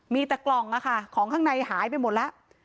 มีแต่กล่องของข้างในหายไปหมดแล้ว